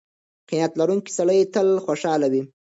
قناعت لرونکی سړی تل خوشحاله وي.